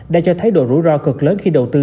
đã cho thấy độ rủi ro cực lớn khi đầu tư